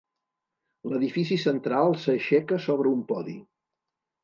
L'edifici central s'aixeca sobre un podi.